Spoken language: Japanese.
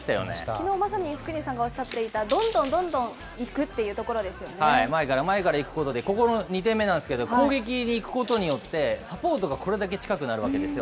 きのうまさに福西さんがおっしゃっていた、どんどんどんどん前から前からいくことで、ここの２点目なんですけれども、攻撃にいくことによって、サポートがこれだけ近くなるわけですよ。